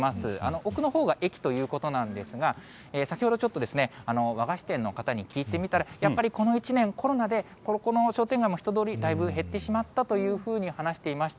奥のほうが駅ということなんですが、先ほどちょっと、和菓子店の方に聞いてみたら、やっぱりこの１年、コロナでここの商店街も、人通り、だいぶ減ってしまったというふうに話していました。